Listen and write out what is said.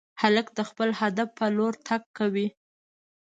هلک د خپل هدف په لور تګ کوي.